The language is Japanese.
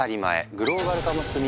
グローバル化も進み